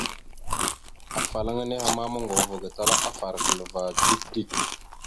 Afalaŋa nehe ma moŋgov ava gatala afarəkal ava dik dik.